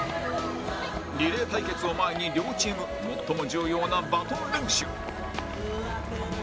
リレー対決を前に両チーム最も重要なバトン練習